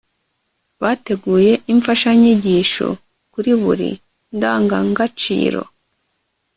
bateguye imfashanyigisho kuri buri ndangangaciro